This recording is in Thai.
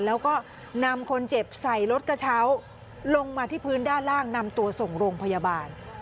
แล้วก็นำคนเจ็บใส่รถกระเช้าลงมาที่พื้นด้านล่างนำตัวส่งโรงพยาบาล